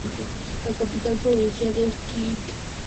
La capital provincial es Quirihue.